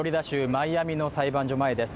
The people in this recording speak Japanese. マイアミの裁判所前です